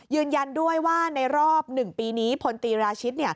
ยืนยันด้วยว่าในรอบ๑ปีนี้พลตรีราชิต